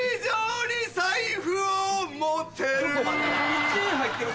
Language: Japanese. １円入ってる